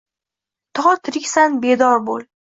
To tiriksan, bedor bo’l.